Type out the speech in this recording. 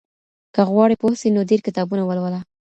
که غواړې پوه سې نو ډېر کتابونه ولوله.